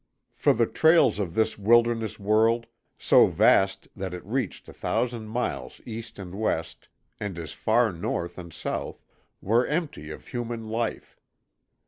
For the trails of this wilderness world so vast that it reached a thousand miles east and west and as far north and south were empty of human life.